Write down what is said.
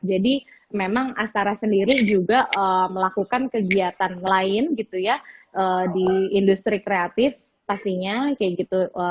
jadi memang ashtara sendiri juga melakukan kegiatan lain gitu ya di industri kreatif pastinya kayak gitu